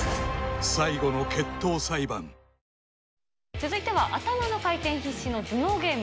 続いては頭の回転必至の頭脳ゲーム。